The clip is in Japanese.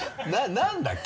何だっけ？